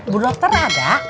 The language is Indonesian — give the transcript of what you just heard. bu dokter ada